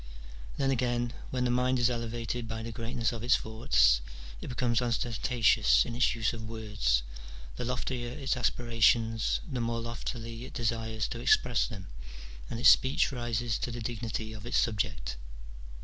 Then again, when the mind is elevated by the greatness of its thoughts, it becomes osten tatious in its use of words, the loftier its aspirations, the more loftily it desires to express them, and its speech rises to the dignity of its subject.